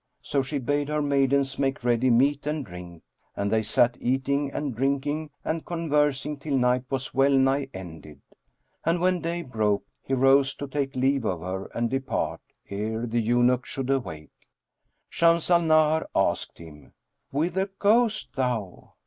So she bade her maidens make ready meat and drink, and they sat eating and drinking and conversing till night was well nigh ended; and when day broke he rose to take leave of her and depart, ere the eunuch should awake. Shams al Nahar asked him, "Whither goest thou?"